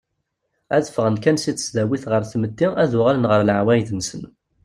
Ad ffɣen kan seg tesdawit ɣer tmetti ad uɣalen ɣer leɛwayed-nsen.